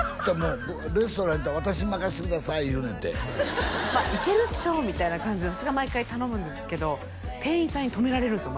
レストラン行ったら「私に任せてください」言うねんて「いけるっしょ」みたいな感じで私が毎回頼むんですけど店員さんに止められるんですよ